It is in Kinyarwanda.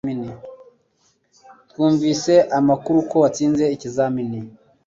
Twumvise amakuru ko watsinze ikizamini